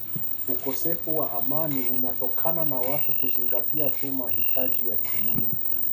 Ukosefu wa amani unatokana na watu kuzingatia tu mahitaji ya kimwili